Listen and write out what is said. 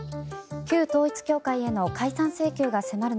旧統一教会への解散請求が迫る